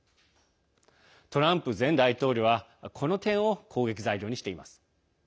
トランプ前大統領はこの点を攻撃材料にしています。